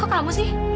kok kamu sih